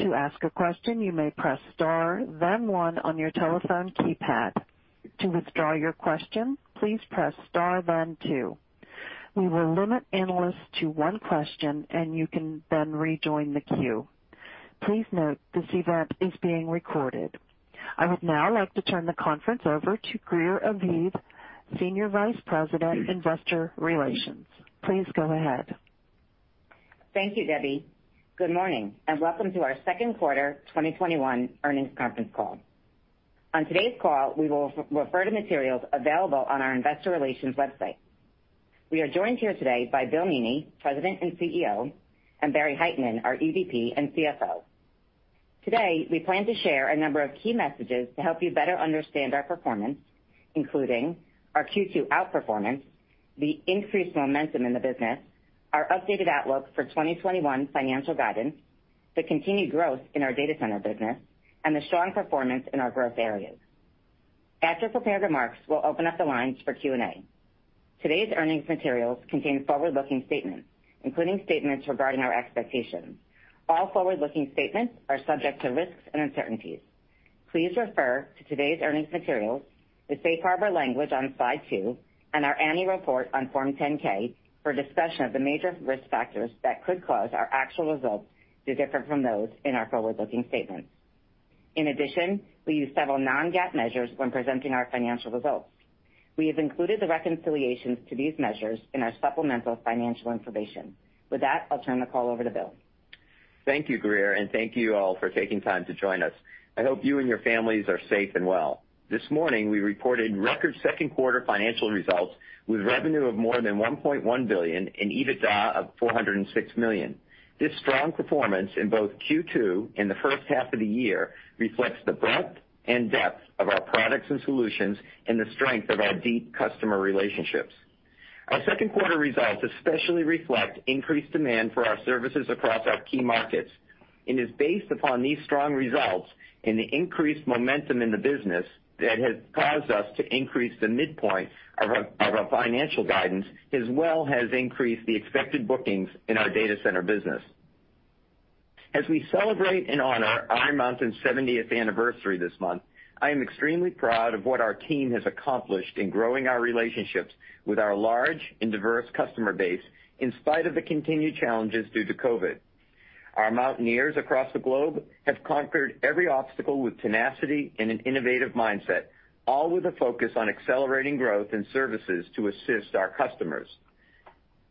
I would now like to turn the conference over to Greer Aviv, Senior Vice President, Investor Relations. Please go ahead. Thank you, Debbie. Good morning, welcome to our second quarter 2021 earnings conference call. On today's call, we will refer to materials available on our investor relations website. We are joined here today by William Meaney, President and CEO, and Barry Hytinen, our EVP and CFO. Today, we plan to share a number of key messages to help you better understand our performance, including our Q2 outperformance, the increased momentum in the business, our updated outlook for 2021 financial guidance, the continued growth in our data center business, and the strong performance in our growth areas. After prepared remarks, we'll open up the lines for Q&A. Today's earnings materials contain forward-looking statements, including statements regarding our expectations. All forward-looking statements are subject to risks and uncertainties. Please refer to today's earnings materials, the safe harbor language on slide two, and our annual report on Form 10-K for a discussion of the major risk factors that could cause our actual results to differ from those in our forward-looking statements. In addition, we use several non-GAAP measures when presenting our financial results. We have included the reconciliations to these measures in our supplemental financial information. With that, I'll turn the call over to Bill. Thank you, Greer, thank you all for taking time to join us. I hope you and your families are safe and well. This morning, we reported record second quarter financial results with revenue of more than $1.1 billion and EBITDA of $406 million. This strong performance in both Q2 and the first half of the year reflects the breadth and depth of our products and solutions and the strength of our deep customer relationships. Our second quarter results especially reflect increased demand for our services across our key markets. It is based upon these strong results and the increased momentum in the business that has caused us to increase the midpoint of our financial guidance, as well has increased the expected bookings in our data center business. As we celebrate and honor Iron Mountain's 70th anniversary this month, I am extremely proud of what our team has accomplished in growing our relationships with our large and diverse customer base, in spite of the continued challenges due to COVID. Our Mountaineers across the globe have conquered every obstacle with tenacity and an innovative mindset, all with a focus on accelerating growth and services to assist our customers.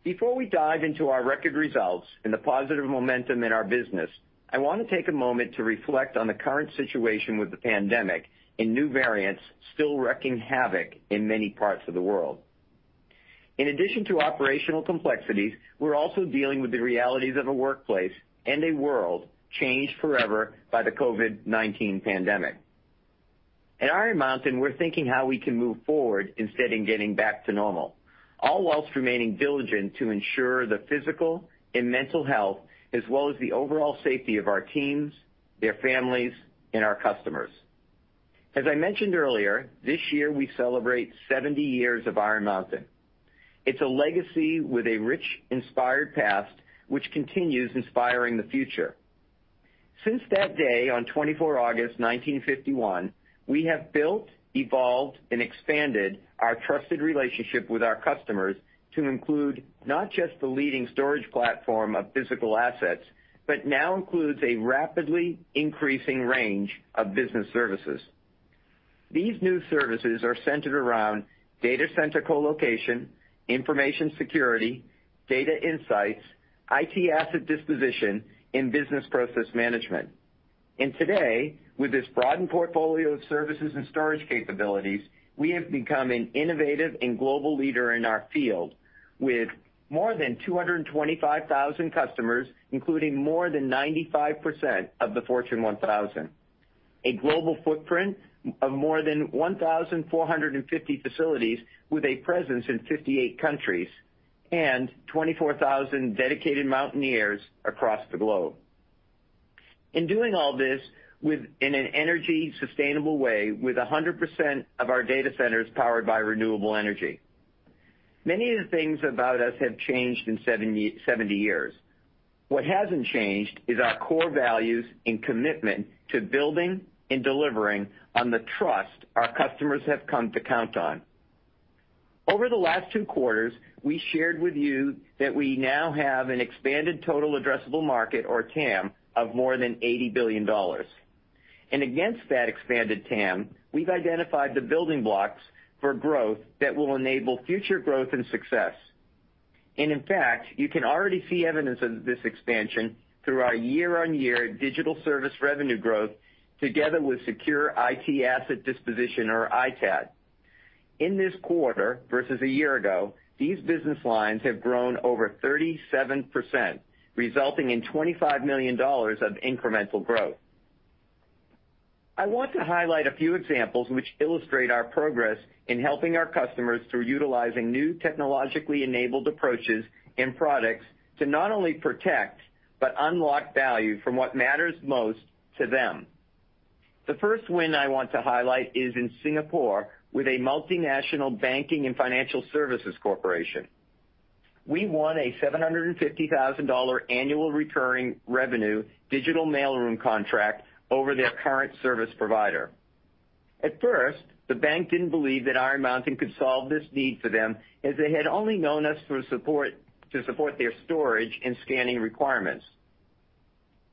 Before we dive into our record results and the positive momentum in our business, I want to take a moment to reflect on the current situation with the pandemic and new variants still wreaking havoc in many parts of the world. In addition to operational complexities, we're also dealing with the realities of a workplace and a world changed forever by the COVID-19 pandemic. At Iron Mountain, we're thinking how we can move forward instead in getting back to normal, all while remaining diligent to ensure the physical and mental health as well as the overall safety of our teams, their families, and our customers. As I mentioned earlier, this year we celebrate 70 years of Iron Mountain. It's a legacy with a rich, inspired past, which continues inspiring the future. Since that day on 24 August 1951, we have built, evolved, and expanded our trusted relationship with our customers to include not just the leading storage platform of physical assets, but now includes a rapidly increasing range of business services. These new services are centered around data center colocation, information security, data insights, IT asset disposition, and business process management. Today, with this broadened portfolio of services and storage capabilities, we have become an innovative and global leader in our field with more than 225,000 customers, including more than 95% of the Fortune 1000, a global footprint of more than 1,450 facilities with a presence in 58 countries, and 24,000 dedicated Mountaineers across the globe. In doing all this in an energy sustainable way with 100% of our data centers powered by renewable energy. Many of the things about us have changed in 70 years. What hasn't changed is our core values and commitment to building and delivering on the trust our customers have come to count on. Over the last two quarters, we shared with you that we now have an expanded total addressable market, or TAM, of more than $80 billion. Against that expanded TAM, we've identified the building blocks for growth that will enable future growth and success. In fact, you can already see evidence of this expansion through our year-on-year digital service revenue growth together with Secure IT asset disposition or ITAD. In this quarter versus a year ago, these business lines have grown over 37%, resulting in $25 million of incremental growth. I want to highlight a few examples which illustrate our progress in helping our customers through utilizing new technologically enabled approaches and products to not only protect, but unlock value from what matters most to them. The first win I want to highlight is in Singapore with a multinational banking and financial services corporation. We won a $750,000 annual recurring revenue digital mailroom contract over their current service provider. At first, the bank didn't believe that Iron Mountain could solve this need for them, as they had only known us to support their storage and scanning requirements.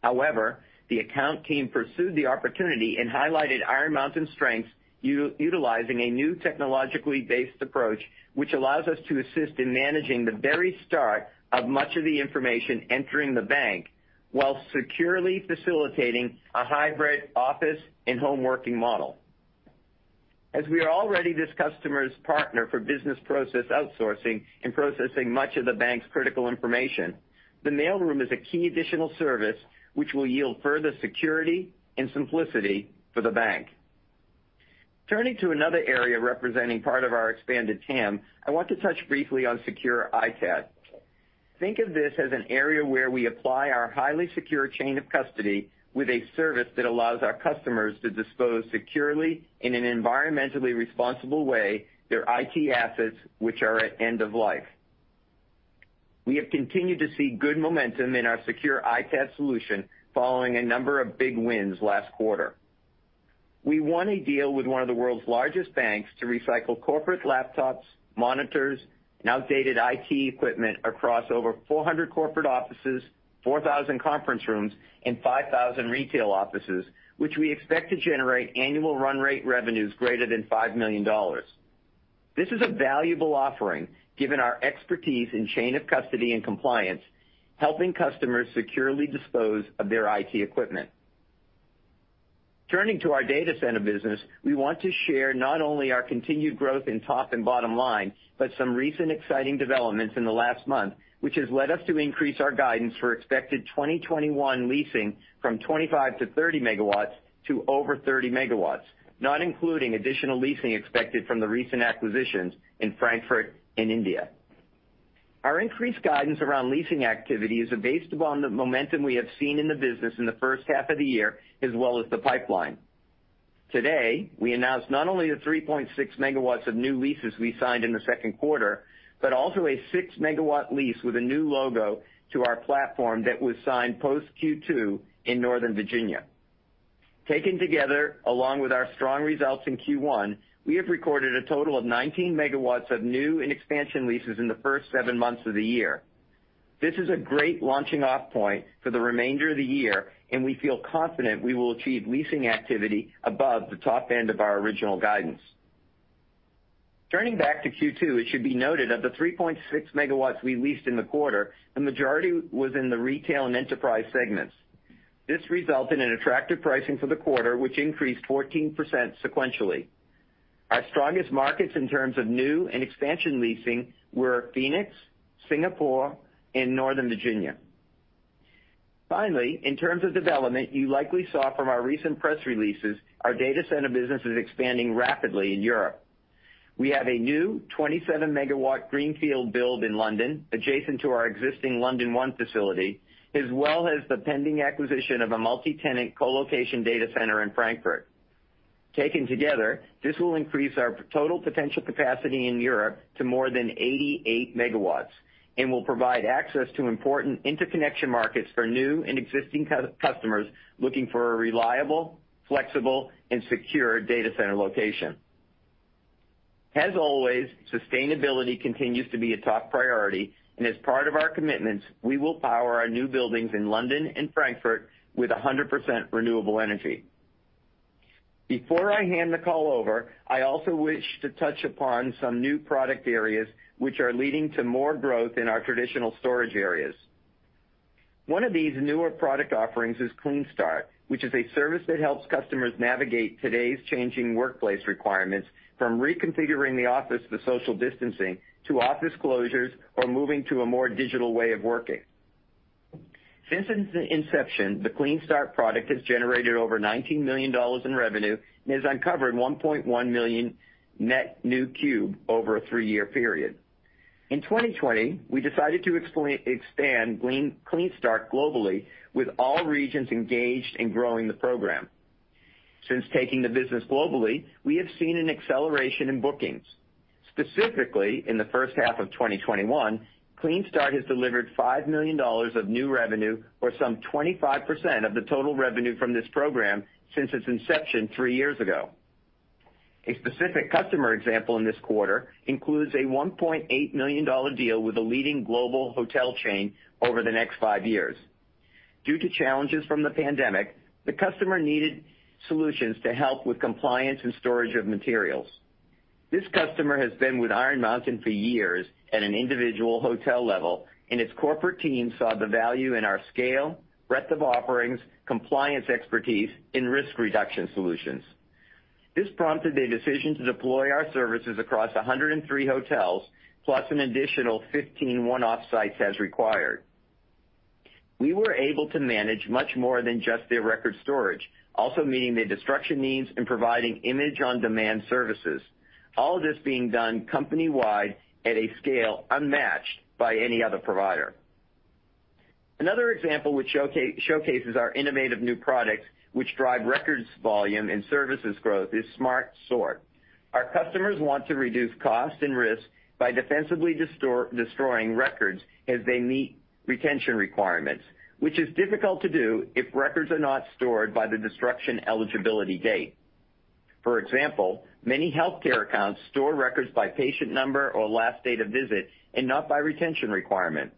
However, the account team pursued the opportunity and highlighted Iron Mountain's strengths, utilizing a new technologically based approach, which allows us to assist in managing the very start of much of the information entering the bank, while securely facilitating a hybrid office and home working model. As we are already this customer's partner for business process outsourcing and processing much of the bank's critical information, the mailroom is a key additional service which will yield further security and simplicity for the bank. Turning to another area representing part of our expanded TAM, I want to touch briefly on Secure ITAD. Think of this as an area where we apply our highly secure chain of custody with a service that allows our customers to dispose securely, in an environmentally responsible way, their IT assets which are at end of life. We have continued to see good momentum in our Secure ITAD solution following a number of big wins last quarter. We won a deal with one of the world's largest banks to recycle corporate laptops, monitors, and outdated IT equipment across over 400 corporate offices, 4,000 conference rooms, and 5,000 retail offices, which we expect to generate annual run rate revenues greater than $5 million. This is a valuable offering, given our expertise in chain of custody and compliance, helping customers securely dispose of their IT equipment. Turning to our data center business, we want to share not only our continued growth in top and bottom line, but some recent exciting developments in the last month, which has led us to increase our guidance for expected 2021 leasing from 25 MW-30 MW to over 30 MW, not including additional leasing expected from the recent acquisitions in Frankfurt and India. Our increased guidance around leasing activities are based upon the momentum we have seen in the business in the first half of the year, as well as the pipeline. Today, we announced not only the 3.6 MW of new leases we signed in the second quarter, but also a 6-MW lease with a new logo to our platform that was signed post Q2 in Northern Virginia. Taken together, along with our strong results in Q1, we have recorded a total of 19 MW of new and expansion leases in the first seven months of the year. This is a great launching off point for the remainder of the year. We feel confident we will achieve leasing activity above the top end of our original guidance. Turning back to Q2, it should be noted of the 3.6 MW we leased in the quarter, the majority was in the retail and enterprise segments. This resulted in attractive pricing for the quarter, which increased 14% sequentially. Our strongest markets in terms of new and expansion leasing were Phoenix, Singapore, and Northern Virginia. Finally, in terms of development, you likely saw from our recent press releases, our data center business is expanding rapidly in Europe. We have a new 27 MW greenfield build in London adjacent to our existing London one facility, as well as the pending acquisition of a multi-tenant colocation data center in Frankfurt. Taken together, this will increase our total potential capacity in Europe to more than 88 MW and will provide access to important interconnection markets for new and existing customers looking for a reliable, flexible, and secure data center location. As always, sustainability continues to be a top priority, and as part of our commitments, we will power our new buildings in London and Frankfurt with 100% renewable energy. Before I hand the call over, I also wish to touch upon some new product areas which are leading to more growth in our traditional storage areas. One of these newer product offerings is Clean Start, which is a service that helps customers navigate today's changing workplace requirements, from reconfiguring the office to social distancing, to office closures or moving to a more digital way of working. Since its inception, the Clean Start product has generated over $19 million in revenue and has uncovered 1.1 million net new cube over a three-year period. In 2020, we decided to expand Clean Start globally with all regions engaged in growing the program. Since taking the business globally, we have seen an acceleration in bookings. Specifically, in the first half of 2021, Clean Start has delivered $5 million of new revenue or some 25% of the total revenue from this program since its inception three years ago. A specific customer example in this quarter includes a $1.8 million deal with a leading global hotel chain over the next five years. Due to challenges from the pandemic, the customer needed solutions to help with compliance and storage of materials. This customer has been with Iron Mountain for years at an individual hotel level, and its corporate team saw the value in our scale, breadth of offerings, compliance expertise, and risk reduction solutions. This prompted a decision to deploy our services across 103 hotels, plus an additional 15 one-off sites as required. We were able to manage much more than just their record storage, also meeting their destruction needs and providing image-on-demand services, all of this being done company-wide at a scale unmatched by any other provider. Another example which showcases our innovative new products, which drive records volume and services growth, is Smart Sort. Our customers want to reduce cost and risk by defensibly destroying records as they meet retention requirements, which is difficult to do if records are not stored by the destruction eligibility date. For example, many healthcare accounts store records by patient number or last date of visit and not by retention requirement.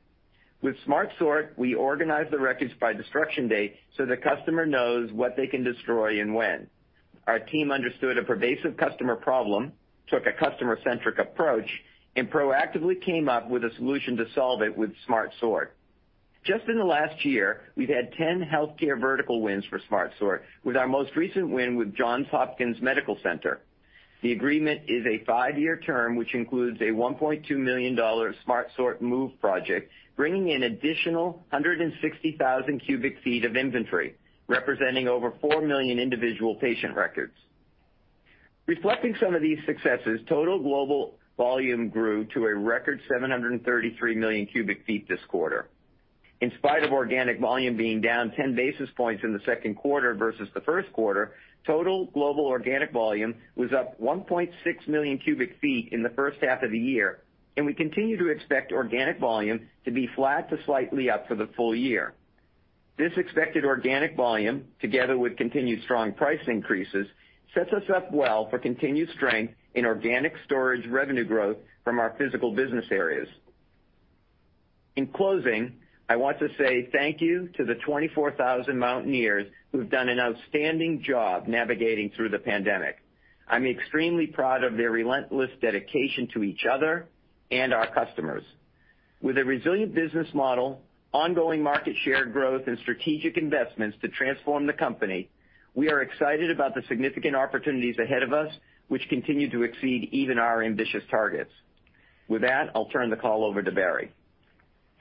With Smart Sort, we organize the records by destruction date so the customer knows what they can destroy and when. Our team understood a pervasive customer problem, took a customer-centric approach, and proactively came up with a solution to solve it with Smart Sort. Just in the last year, we've had 10 healthcare vertical wins for Smart Sort, with our most recent win with Johns Hopkins Medical Center. The agreement is a five-year term, which includes a $1.2 million Smart Sort move project, bringing in additional 160,000 cu ft of inventory, representing over 4 million individual patient records. Reflecting some of these successes, total global volume grew to a record 733 million cu ft this quarter. In spite of organic volume being down 10 basis points in the second quarter versus the first quarter, total global organic volume was up 1.6 million cu ft in the first half of the year, and we continue to expect organic volume to be flat to slightly up for the full year. This expected organic volume, together with continued strong price increases, sets us up well for continued strength in organic storage revenue growth from our physical business areas. In closing, I want to say thank you to the 24,000 Mountaineers who have done an outstanding job navigating through the pandemic. I'm extremely proud of their relentless dedication to each other and our customers. With a resilient business model, ongoing market share growth, and strategic investments to transform the company, we are excited about the significant opportunities ahead of us, which continue to exceed even our ambitious targets. With that, I'll turn the call over to Barry.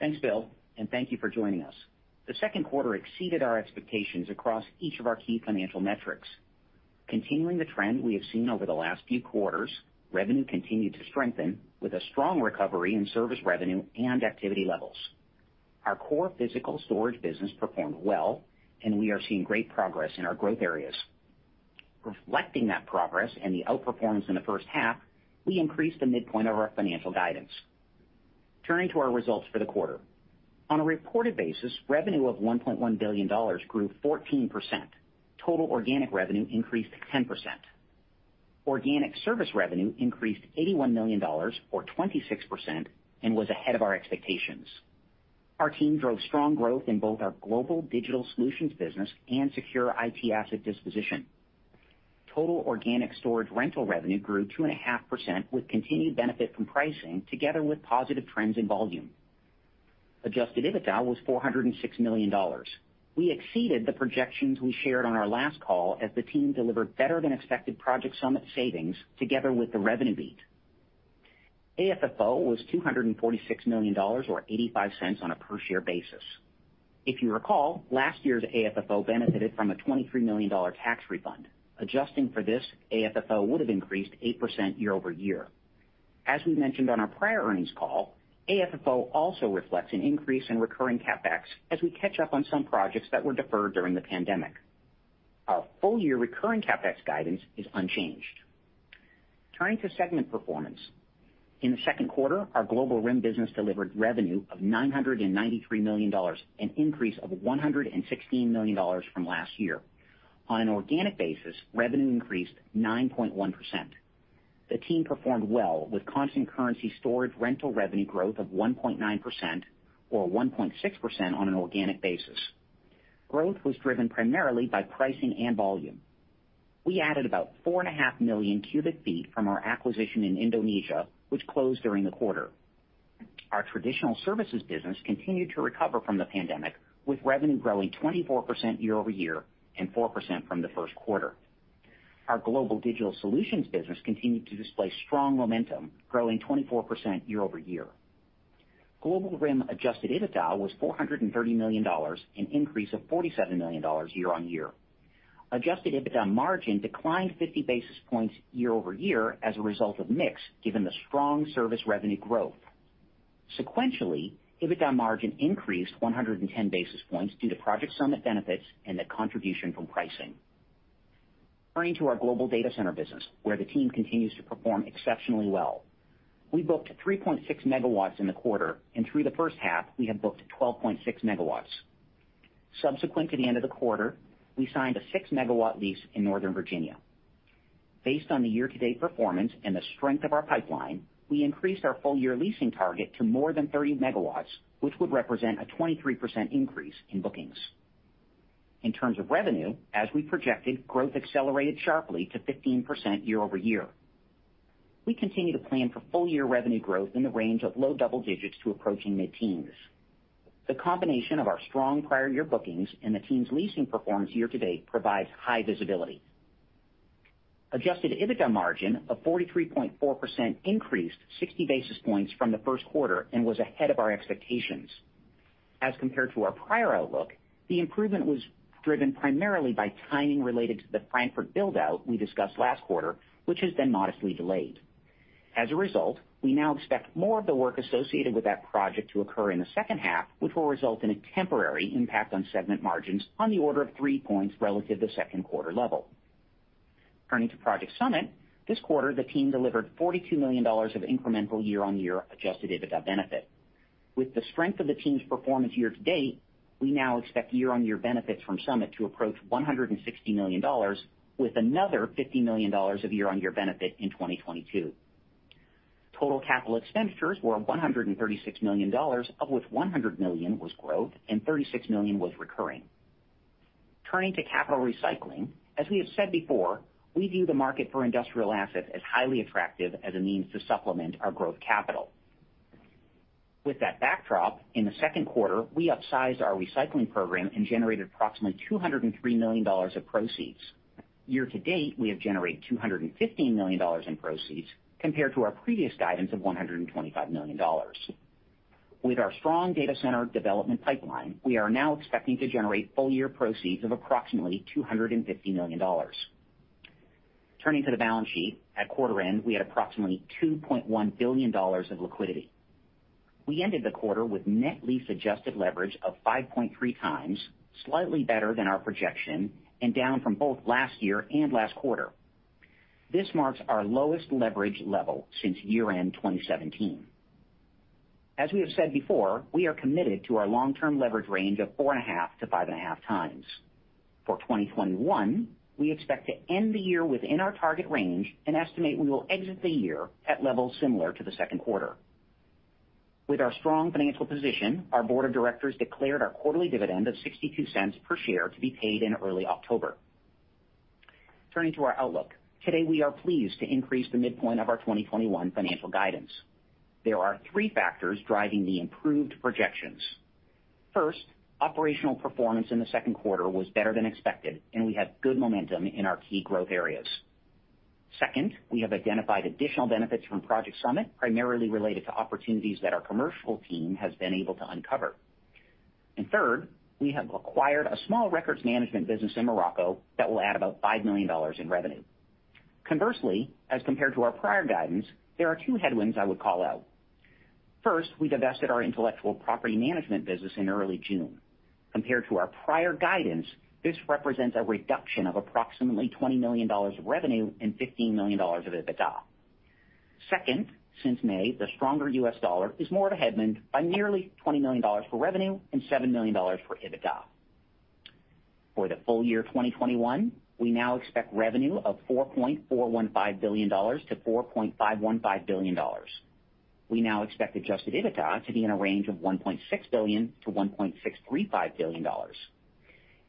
Thanks, Bill. Thank you for joining us. The second quarter exceeded our expectations across each of our key financial metrics. Continuing the trend we have seen over the last few quarters, revenue continued to strengthen with a strong recovery in service revenue and activity levels. Our core physical storage business performed well, and we are seeing great progress in our growth areas. Reflecting that progress and the outperformance in the first half, we increased the midpoint of our financial guidance. Turning to our results for the quarter. On a reported basis, revenue of $1.1 billion grew 14%. Total organic revenue increased 10%. Organic service revenue increased $81 million, or 26%, and was ahead of our expectations. Our team drove strong growth in both our global digital solutions business and Secure IT asset disposition. Total organic storage rental revenue grew 2.5% with continued benefit from pricing together with positive trends in volume. Adjusted EBITDA was $406 million. We exceeded the projections we shared on our last call as the team delivered better-than-expected Project Summit savings together with the revenue beat. AFFO was $246 million, or $0.85 on a per-share basis. If you recall, last year's AFFO benefited from a $23 million tax refund. Adjusting for this, AFFO would have increased 8% year-over-year. As we mentioned on our prior earnings call, AFFO also reflects an increase in recurring CapEx as we catch up on some projects that were deferred during the pandemic. Our full-year recurring CapEx guidance is unchanged. Turning to segment performance. In the second quarter, our global RIM business delivered revenue of $993 million, an increase of $116 million from last year. On an organic basis, revenue increased 9.1%. The team performed well with constant currency storage rental revenue growth of 1.9%, or 1.6% on an organic basis. Growth was driven primarily by pricing and volume. We added about 4.5 million cu ft from our acquisition in Indonesia, which closed during the quarter. Our traditional services business continued to recover from the pandemic, with revenue growing 24% year-over-year and 4% from the first quarter. Our global digital solutions business continued to display strong momentum, growing 24% year-over-year. Global RIM adjusted EBITDA was $430 million, an increase of $47 million year-over-year. Adjusted EBITDA margin declined 50 basis points year-over-year as a result of mix, given the strong service revenue growth. Sequentially, EBITDA margin increased 110 basis points due to Project Summit benefits and the contribution from pricing. Turning to our global data center business, where the team continues to perform exceptionally well. We booked 3.6 MW in the quarter, and through the first half, we have booked 12.6 MW. Subsequent to the end of the quarter, we signed a 6-MW lease in Northern Virginia. Based on the year-to-date performance and the strength of our pipeline, we increased our full-year leasing target to more than 30 MW, which would represent a 23% increase in bookings. In terms of revenue, as we projected, growth accelerated sharply to 15% year-over-year. We continue to plan for full year revenue growth in the range of low double digits to approaching mid-teens. The combination of our strong prior year bookings and the team's leasing performance year-to-date provides high visibility. Adjusted EBITDA margin of 43.4% increased 60 basis points from the first quarter and was ahead of our expectations. As compared to our prior outlook, the improvement was driven primarily by timing related to the Frankfurt build-out we discussed last quarter, which has been modestly delayed. As a result, we now expect more of the work associated with that project to occur in the second half, which will result in a temporary impact on segment margins on the order of three points relative to second quarter level. Turning to Project Summit, this quarter, the team delivered $42 million of incremental year-on-year adjusted EBITDA benefit. With the strength of the team's performance year-to-date, we now expect year-on-year benefits from Summit to approach $160 million with another $50 million of year-on-year benefit in 2022. Total capital expenditures were $136 million, of which $100 million was growth and $36 million was recurring. Turning to capital recycling, as we have said before, we view the market for industrial assets as highly attractive as a means to supplement our growth capital. With that backdrop, in the second quarter, we upsized our recycling program and generated approximately $203 million of proceeds. Year to date, we have generated $215 million in proceeds compared to our previous guidance of $125 million. With our strong data center development pipeline, we are now expecting to generate full year proceeds of approximately $250 million. Turning to the balance sheet, at quarter end, we had approximately $2.1 billion of liquidity. We ended the quarter with net lease adjusted leverage of 5.3x, slightly better than our projection and down from both last year and last quarter. This marks our lowest leverage level since year-end 2017. As we have said before, we are committed to our long-term leverage range of 4.5x to 5.5x. For 2021, we expect to end the year within our target range and estimate we will exit the year at levels similar to the second quarter. With our strong financial position, our board of directors declared our quarterly dividend of $0.62 per share to be paid in early October. Turning to our outlook, today we are pleased to increase the midpoint of our 2021 financial guidance. There are three factors driving the improved projections. First, operational performance in the second quarter was better than expected, and we have good momentum in our key growth areas. Second, we have identified additional benefits from Project Summit, primarily related to opportunities that our commercial team has been able to uncover. Third, we have acquired a small records management business in Morocco that will add about $5 million in revenue. Conversely, as compared to our prior guidance, there are two headwinds I would call out. First, we divested our intellectual property management business in early June. Compared to our prior guidance, this represents a reduction of approximately $20 million of revenue and $15 million of EBITDA. Second, since May, the stronger U.S. dollar is more of a headwind by nearly $20 million for revenue and $7 million for EBITDA. For the full year 2021, we now expect revenue of $4.415 billion-$4.515 billion. We now expect adjusted EBITDA to be in a range of $1.6 billion-$1.635 billion.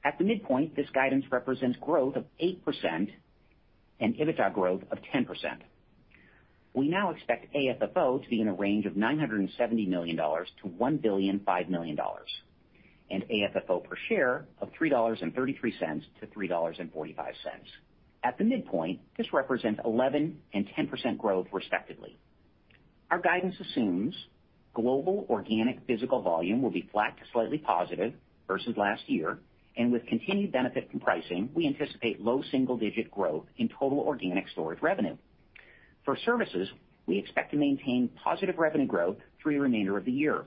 At the midpoint, this guidance represents growth of 8% and EBITDA growth of 10%. We now expect AFFO to be in a range of $970 million-$1 billion. AFFO per share of $3.33-$3.45. At the midpoint, this represents 11% and 10% growth respectively. Our guidance assumes global organic physical volume will be flat to slightly positive versus last year. With continued benefit from pricing, we anticipate low single digit growth in total organic storage revenue. For services, we expect to maintain positive revenue growth through the remainder of the year.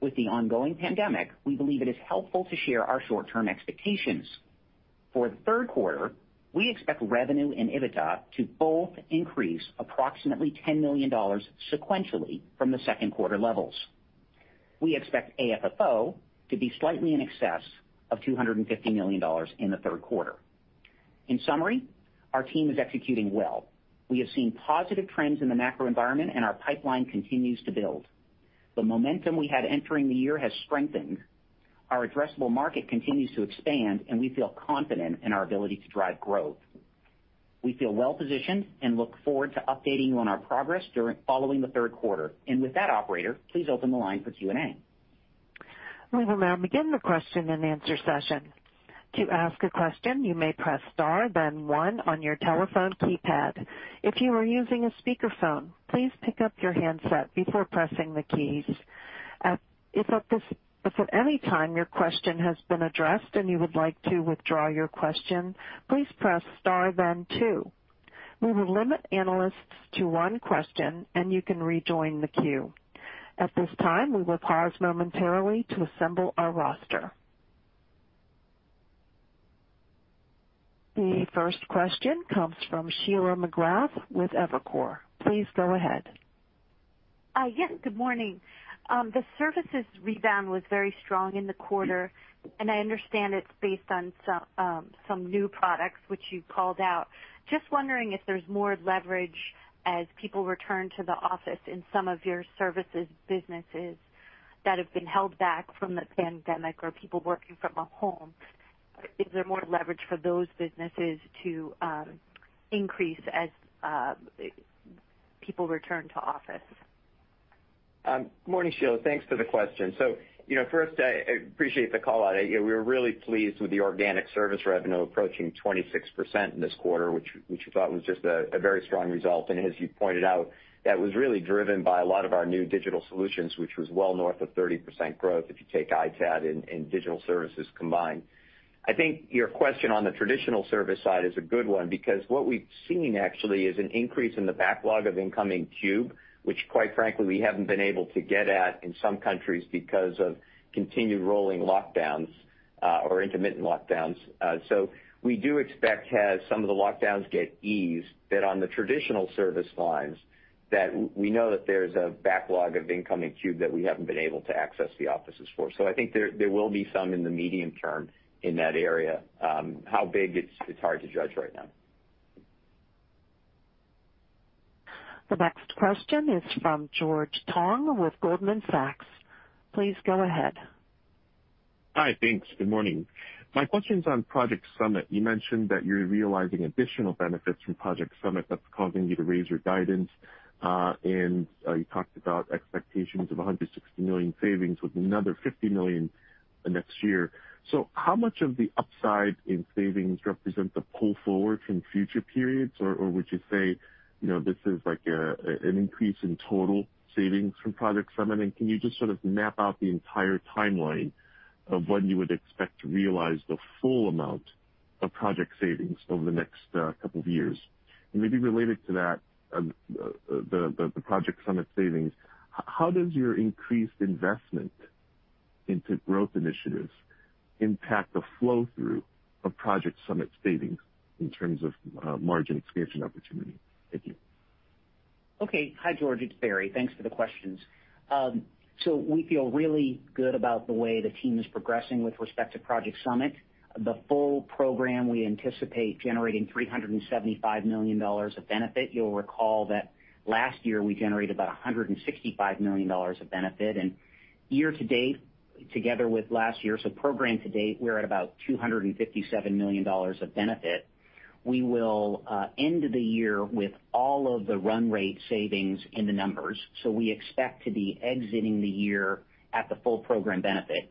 With the ongoing pandemic, we believe it is helpful to share our short-term expectations. For the third quarter, we expect revenue and EBITDA to both increase approximately $10 million sequentially from the second quarter levels. We expect AFFO to be slightly in excess of $250 million in the third quarter. In summary, our team is executing well. We have seen positive trends in the macro environment and our pipeline continues to build. The momentum we had entering the year has strengthened. Our addressable market continues to expand, and we feel confident in our ability to drive growth. We feel well positioned and look forward to updating you on our progress following the third quarter. With that, operator, please open the line for Q&A. We will now begin the Q&A session. To ask a question, you may press star then one on your telephone keypad. If you are using a speakerphone, please pick up your handset before pressing the keys. If at any time your question has been addressed and you would like to withdraw your question, please press star then two. We will limit analysts to one question, and you can rejoin the queue. At this time, we will pause momentarily to assemble our roster. The first question comes from Sheila McGrath with Evercore. Please go ahead. Yes, good morning. The services rebound was very strong in the quarter. I understand it's based on some new products which you called out. Just wondering if there's more leverage as people return to the office in some of your services businesses that have been held back from the pandemic or people working from home. Is there more leverage for those businesses to increase as people return to office? Morning, Sheila. Thanks for the question. First, I appreciate the call out. We were really pleased with the organic service revenue approaching 26% this quarter, which we thought was just a very strong result. As you pointed out, that was really driven by a lot of our new digital solutions, which was well north of 30% growth if you take ITAD and digital services combined. I think your question on the traditional service side is a good one, because what we've seen actually is an increase in the backlog of incoming cube. Which, quite frankly, we haven't been able to get at in some countries because of continued rolling lockdowns or intermittent lockdowns. We do expect, as some of the lockdowns get eased, that on the traditional service lines, that we know that there's a backlog of incoming cube that we haven't been able to access the offices for. I think there will be some in the medium term in that area. How big, it's hard to judge right now. The next question is from George Tong with Goldman Sachs. Please go ahead. Hi, thanks. Good morning. My question's on Project Summit. You mentioned that you're realizing additional benefits from Project Summit that's causing you to raise your guidance. You talked about expectations of $160 million savings with another $50 million next year. How much of the upside in savings represent the pull forward from future periods? Would you say, this is like an increase in total savings from Project Summit? Can you just sort of map out the entire timeline of when you would expect to realize the full amount of project savings over the next couple of years? Maybe related to that, the Project Summit savings, how does your increased investment into growth initiatives impact the flow-through of Project Summit savings in terms of margin expansion opportunity? Thank you. Okay. Hi, George. It's Barry. Thanks for the questions. We feel really good about the way the team is progressing with respect to Project Summit. The full program, we anticipate generating $375 million of benefit. You'll recall that last year we generated about $165 million of benefit and year-to-date, together with last year, so program to date, we're at about $257 million of benefit. We will end the year with all of the run rate savings in the numbers. We expect to be exiting the year at the full program benefit.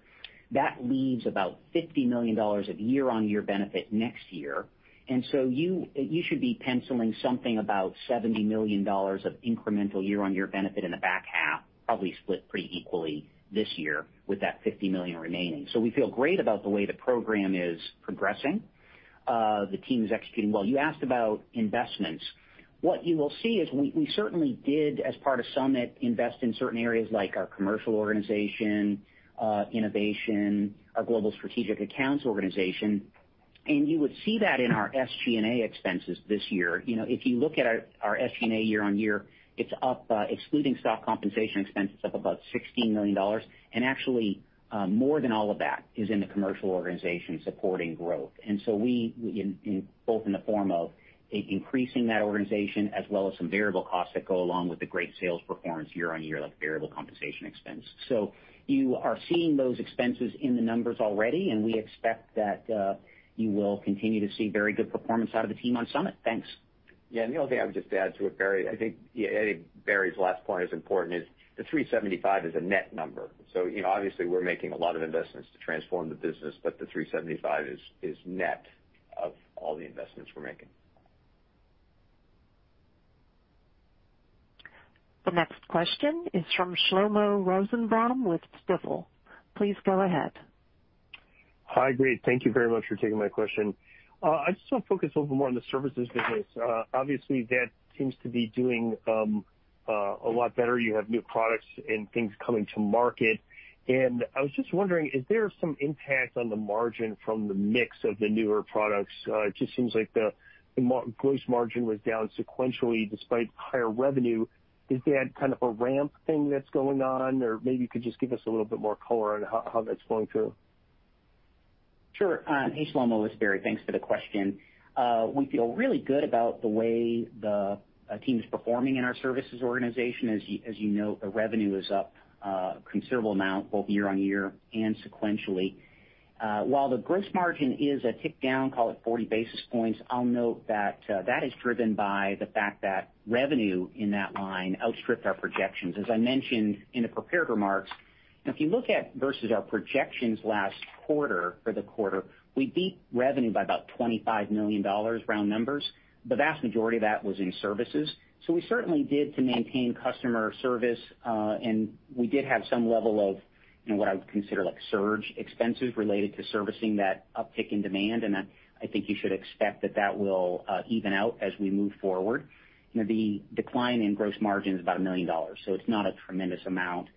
That leaves about $50 million of year-on-year benefit next year. You should be penciling something about $70 million of incremental year-on-year benefit in the back half, probably split pretty equally this year with that $50 million remaining. We feel great about the way the program is progressing. The team is executing well. You asked about investments. What you will see is we certainly did, as part of Summit, invest in certain areas like our commercial organization, innovation, our global strategic accounts organization. You would see that in our SG&A expenses this year. If you look at our SG&A year-on-year, it's up, excluding stock compensation expenses, up about $16 million. Actually, more than all of that is in the commercial organization supporting growth. So both in the form of increasing that organization as well as some variable costs that go along with the great sales performance year-on-year, like variable compensation expense. You are seeing those expenses in the numbers already, and we expect that you will continue to see very good performance out of the team on Summit. Thanks. The only thing I would just add to it, Barry, I think Barry last point is important, is the $375 is a net number. Obviously we're making a lot of investments to transform the business, but the $375 is net of all the investments we're making. The next question is from Shlomo Rosenbaum with Stifel. Please go ahead. Hi, great. Thank you very much for taking my question. I just want to focus a little more on the services business. Obviously, that seems to be doing a lot better. You have new products and things coming to market. I was just wondering, is there some impact on the margin from the mix of the newer products? It just seems like the gross margin was down sequentially despite higher revenue. Is that kind of a ramp thing that's going on? Maybe you could just give us a little bit more color on how that's going through. Sure. Hey, Shlomo, it's Barry. Thanks for the question. We feel really good about the way the team's performing in our services organization. As you know, the revenue is up a considerable amount both year-over-year and sequentially. While the gross margin is a tick down, call it 40 basis points, I'll note that that is driven by the fact that revenue in that line outstripped our projections. As I mentioned in the prepared remarks, if you look at versus our projections last quarter for the quarter, we beat revenue by about $25 million round numbers. The vast majority of that was in services. We certainly did to maintain customer service, and we did have some level of what I would consider like surge expenses related to servicing that uptick in demand, and I think you should expect that that will even out as we move forward. The decline in gross margin is about $1 million. It's not a tremendous amount.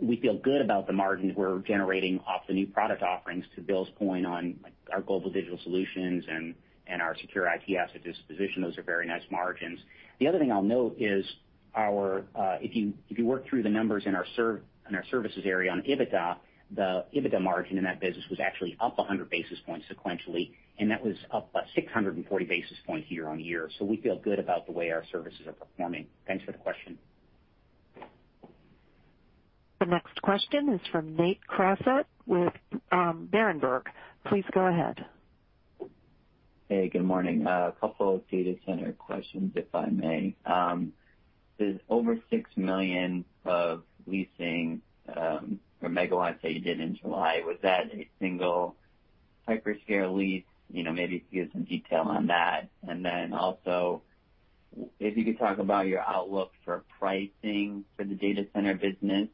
We feel good about the margins we're generating off the new product offerings to Bill's point on our global digital solutions and our Secure IT Asset Disposition. Those are very nice margins. The other thing I'll note is if you work through the numbers in our services area on EBITDA, the EBITDA margin in that business was actually up 100 basis points sequentially, and that was up 640 basis points year-on-year. We feel good about the way our services are performing. Thanks for the question. The next question is from Nate Crossett with Berenberg. Please go ahead. Hey, good morning. A couple of data center questions, if I may. There's over 6 million of leasing or megawatts that you did in July. Was that a single hyperscale lease? Maybe if you give some detail on that. Also, if you could talk about your outlook for pricing for the data center business,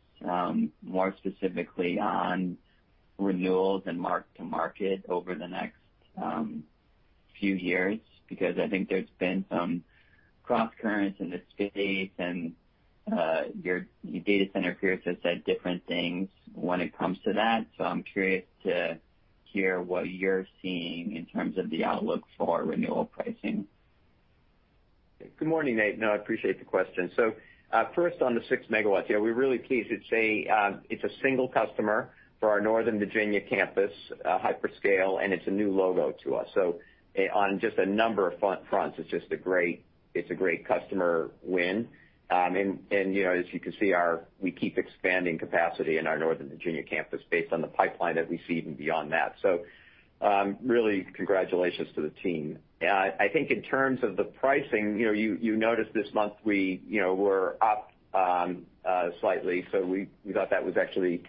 more specifically on renewals and mark to market over the next few years. I think there's been some cross currents in the space and your data center peers have said different things when it comes to that. I'm curious to hear what you're seeing in terms of the outlook for renewal pricing. Good morning, Nate. I appreciate the question. First on the 6 MW. Yeah, we're really pleased. It's a single customer for our Northern Virginia campus, hyperscale, and it's a new logo to us. On just a number of fronts, it's a great customer win. As you can see, we keep expanding capacity in our Northern Virginia campus based on the pipeline that we see and beyond that. Really congratulations to the team. I think in terms of the pricing, you noticed this month we were up slightly. We thought that was actually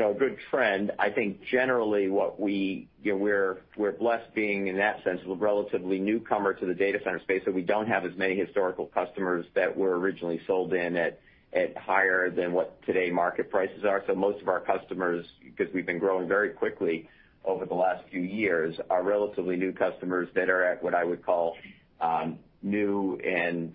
a good trend. I think generally we're blessed being in that sense, we're relatively newcomer to the data center space, so we don't have as many historical customers that were originally sold in at higher than what today market prices are. Most of our customers, because we've been growing very quickly over the last few years, are relatively new customers that are at what I would call new and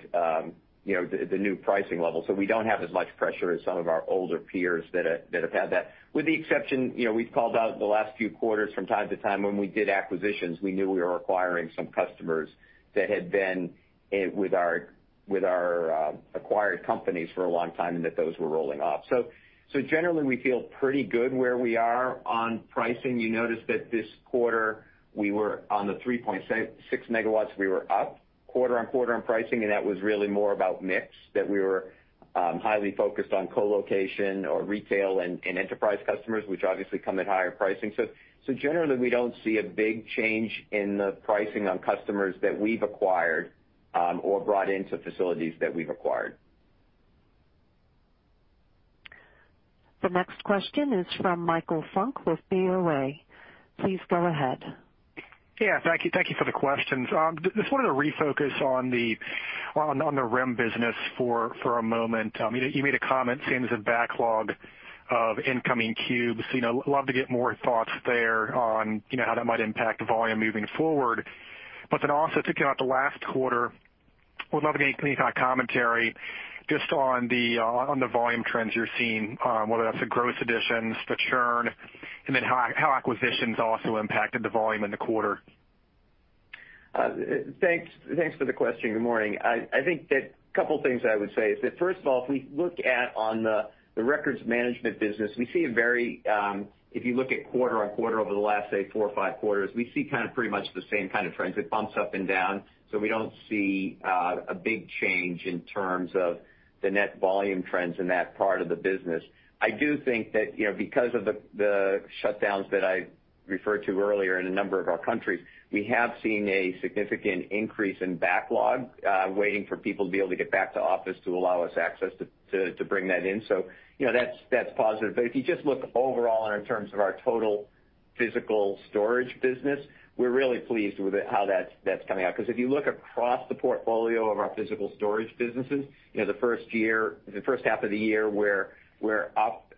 the new pricing level. We don't have as much pressure as some of our older peers that have had that. With the exception, we've called out the last few quarters from time to time when we did acquisitions, we knew we were acquiring some customers that had been with our acquired companies for a long time, and that those were rolling off. Generally, we feel pretty good where we are on pricing. You noticed that this quarter we were on the 3.6 MW, we were up quarter-on-quarter on pricing, and that was really more about mix that we were highly focused on colocation or retail and enterprise customers, which obviously come at higher pricing. Generally, we don't see a big change in the pricing on customers that we've acquired, or brought into facilities that we've acquired. The next question is from Michael Funk with BofA. Please go ahead. Yeah, thank you for the questions. Just wanted to refocus on the RIM business for a moment. You made a comment saying there's a backlog of incoming cubes. Love to get more thoughts there on how that might impact volume moving forward. Also thinking about the last quarter, would love to get any kind of commentary just on the volume trends you're seeing, whether that's the gross additions, the churn, and then how acquisitions also impacted the volume in the quarter? Thanks for the question. Good morning. I think that a couple of things I would say is that, first of all, if we look at on the records management business, if you look at quarter-on-quarter over the last, say, four or five quarters, we see kind of pretty much the same kind of trends. It bumps up and down. We don't see a big change in terms of the net volume trends in that part of the business. I do think that because of the shutdowns that I referred to earlier in a number of our countries, we have seen a significant increase in backlog, waiting for people to be able to get back to office to allow us access to bring that in. That's positive. If you just look overall and in terms of our total physical storage business, we're really pleased with how that's coming out. If you look across the portfolio of our physical storage businesses, the first half of the year, we're up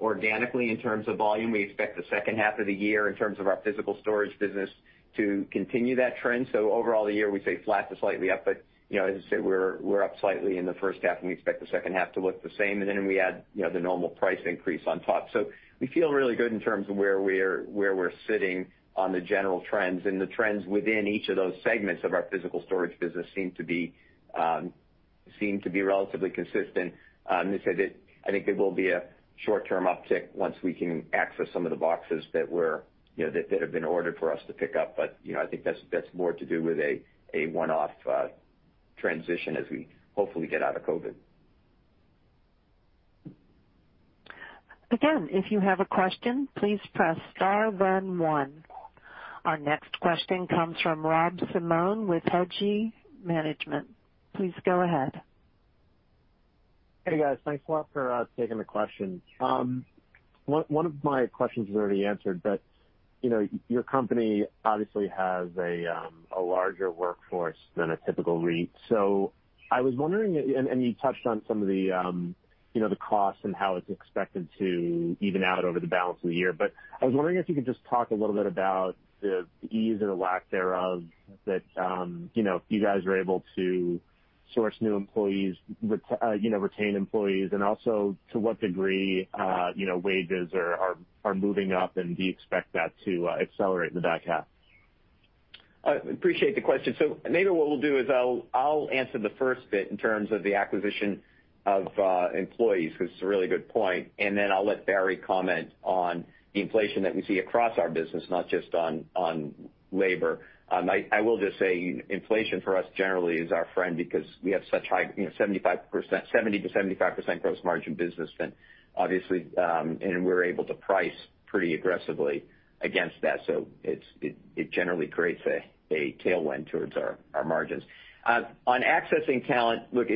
organically in terms of volume. We expect the second half of the year in terms of our physical storage business to continue that trend. Overall, the year we say flat to slightly up. As I said, we're up slightly in the first half, and we expect the second half to look the same. We add the normal price increase on top. We feel really good in terms of where we're sitting on the general trends. The trends within each of those segments of our physical storage business seem to be relatively consistent. I think there will be a short-term uptick once we can access some of the boxes that have been ordered for us to pick up. I think that's more to do with a one-off transition as we hopefully get out of COVID. Again, if you have a question, please press star one one. Our next question comes from Rob Simone with Hedgeye Risk Management. Please go ahead. Hey, guys. Thanks a lot for taking the question. One of my questions was already answered. Your company obviously has a larger workforce than a typical REIT. I was wondering, and you touched on some of the cost and how it's expected to even out over the balance of the year. I was wondering if you could just talk a little bit about the ease or lack thereof that you guys were able to source new employees, retain employees, and also to what degree wages are moving up, and do you expect that to accelerate in the back half? I appreciate the question. Maybe what we'll do is I'll answer the first bit in terms of the acquisition of employees, because it's a really good point, and then I'll let Barry comment on the inflation that we see across our business, not just on labor. I will just say inflation for us generally is our friend because we have such high, 70%-75% gross margin business, and obviously, we're able to price pretty aggressively against that, so it generally creates a tailwind towards our margins. On accessing talent, look,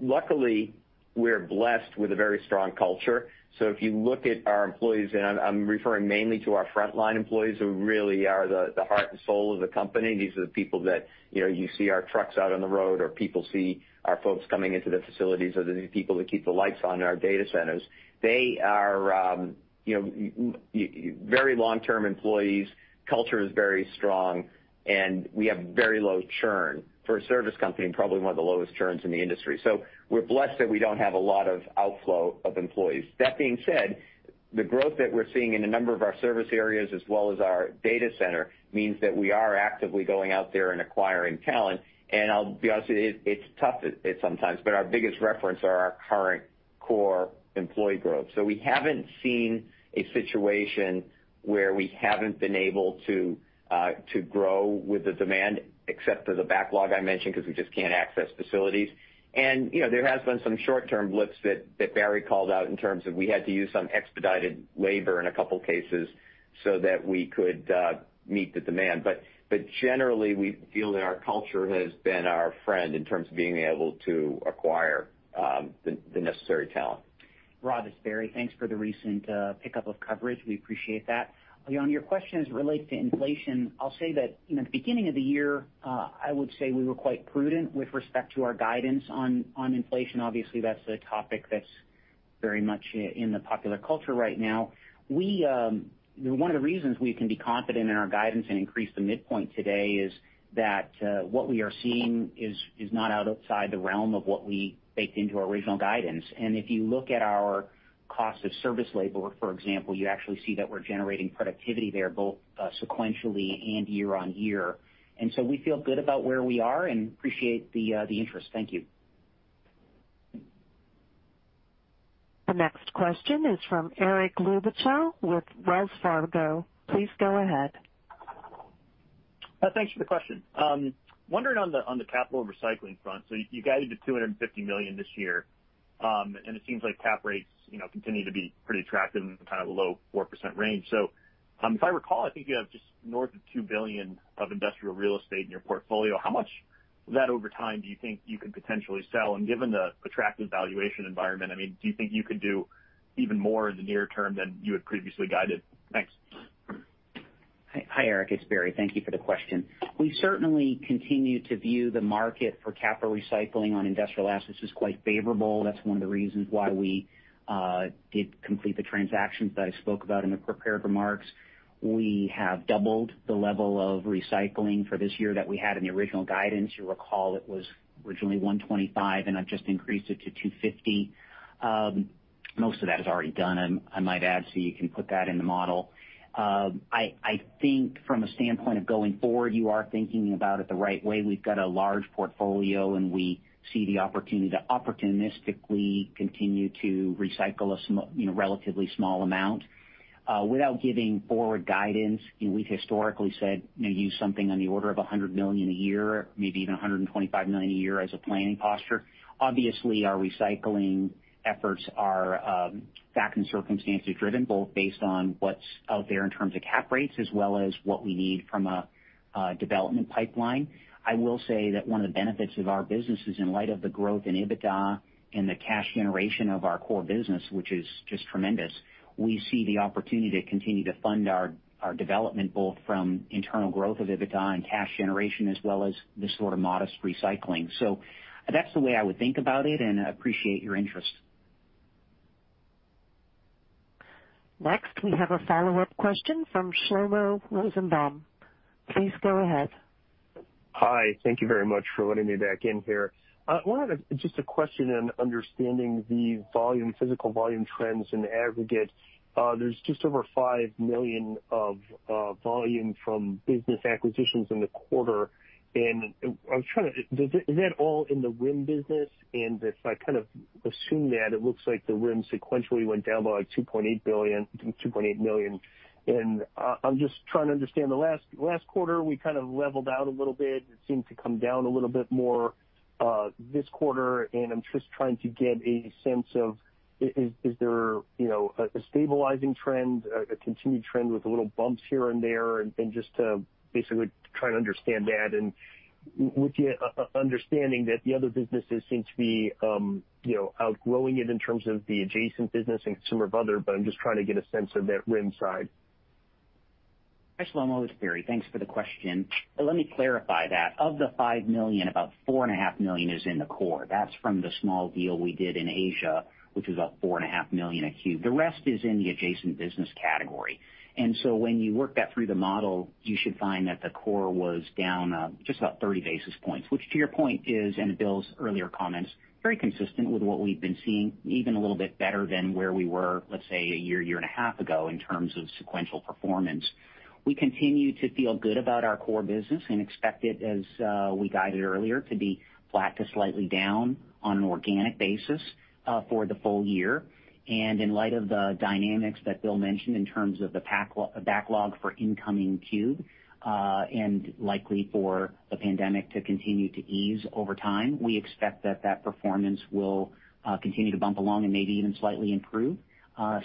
luckily, we're blessed with a very strong culture. If you look at our employees, and I'm referring mainly to our frontline employees, who really are the heart and soul of the company. These are the people that you see our trucks out on the road, or people see our folks coming into the facilities, or they're the people that keep the lights on in our data centers. They are very long-term employees. Culture is very strong, and we have very low churn. For a service company, probably one of the lowest churns in the industry. We're blessed that we don't have a lot of outflow of employees. That being said, the growth that we're seeing in a number of our service areas as well as our data center means that we are actively going out there and acquiring talent. I'll be honest with you, it's tough sometimes, but our biggest reference are our current core employee growth. We haven't seen a situation where we haven't been able to grow with the demand, except for the backlog I mentioned, because we just can't access facilities. There has been some short-term blips that Barry called out in terms of we had to use some expedited labor in a couple cases so that we could meet the demand. Generally, we feel that our culture has been our friend in terms of being able to acquire the necessary talent. Rob, it's Barry. Thanks for the recent pickup of coverage. We appreciate that. On your questions related to inflation, I'll say that at the beginning of the year, I would say we were quite prudent with respect to our guidance on inflation. Obviously, that's a topic that's very much in the popular culture right now. One of the reasons we can be confident in our guidance and increase the midpoint today is that what we are seeing is not outside the realm of what we baked into our original guidance. If you look at our cost of service labor, for example, you actually see that we're generating productivity there, both sequentially and year on year. We feel good about where we are and appreciate the interest. Thank you. The next question is from Eric Luebchow with Wells Fargo. Please go ahead. Thanks for the question. Wondering on the capital recycling front. You guided to $250 million this year, and it seems like cap rates continue to be pretty attractive and kind of below 4% range. If I recall, I think you have just north of $2 billion of industrial real estate in your portfolio. How much of that over time do you think you could potentially sell? Given the attractive valuation environment, do you think you could do even more in the near term than you had previously guided? Thanks. Hi, Eric. It's Barry. Thank you for the question. We certainly continue to view the market for capital recycling on industrial assets as quite favorable. That's one of the reasons why we did complete the transactions that I spoke about in the prepared remarks. We have doubled the level of recycling for this year that we had in the original guidance. You'll recall it was originally $125 million, and I've just increased it to $250 million. Most of that is already done, I might add, so you can put that in the model. I think from a standpoint of going forward, you are thinking about it the right way. We've got a large portfolio, and we see the opportunity to opportunistically continue to recycle a relatively small amount. Without giving forward guidance, we've historically said use something on the order of $100 million a year, maybe even $125 million a year as a planning posture. Obviously, our recycling efforts are fact and circumstance driven, both based on what's out there in terms of cap rates as well as what we need from a development pipeline. I will say that one of the benefits of our business is in light of the growth in EBITDA and the cash generation of our core business, which is just tremendous. We see the opportunity to continue to fund our development both from internal growth of EBITDA and cash generation as well as this sort of modest recycling. That's the way I would think about it and appreciate your interest. Next, we have a follow-up question from Shlomo Rosenbaum. Please go ahead. Hi. Thank you very much for letting me back in here. I wanted to just a question on understanding the physical volume trends in aggregate. There's just over 5 million of volume from business acquisitions in the quarter. I was trying to Is that all in the RIM business? If I kind of assume that, it looks like the RIM sequentially went down by like 2.8 million. I'm just trying to understand the last quarter, we kind of leveled out a little bit. It seemed to come down a little bit more this quarter, and I'm just trying to get a sense of, is there a stabilizing trend, a continued trend with little bumps here and there? Just to basically try and understand that and with the understanding that the other businesses seem to be outgrowing it in terms of the Adjacent Businesses and Consumer of Other, but I'm just trying to get a sense of that RIM side. Hi, Shlomo, it's Barry. Thanks for the question. Let me clarify that. Of the $5 million, about four and a half million is in the core. That's from the small deal we did in Asia, which is up four and a half million a cube. The rest is in the Adjacent Businesses category. When you work that through the model, you should find that the core was down just about 30 basis points, which to your point is, and to Bill's earlier comments, very consistent with what we've been seeing, even a little bit better than where we were, let's say, a year and a half ago in terms of sequential performance. We continue to feel good about our core business and expect it, as we guided earlier, to be flat to slightly down on an organic basis for the full year. In light of the dynamics that William mentioned in terms of the backlog for incoming cube, and likely for the pandemic to continue to ease over time, we expect that that performance will continue to bump along and maybe even slightly improve.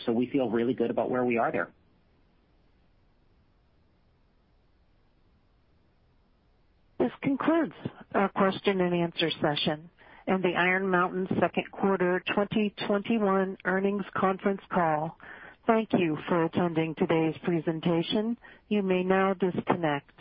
We feel really good about where we are there. This concludes our Q&A session and the Iron Mountain second quarter 2021 earnings conference call. Thank you for attending today's presentation. You may now disconnect.